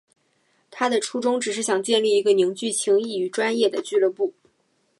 他的初衷只是想建立一个凝聚情谊与专业的俱乐部。